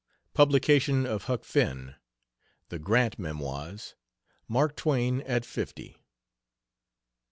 PUBLICATION OF "HUCK FINN." THE GRANT MEMOIRS. MARK TWAIN AT FIFTY.